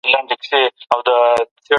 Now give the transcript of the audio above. ده باید ژبې اهمیت خلکو ته وښيي.